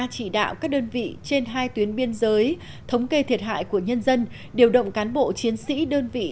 chỉ đạo các đơn vị trên hai tuyến biên giới thống kê thiệt hại của nhân dân điều động cán bộ chiến sĩ đơn vị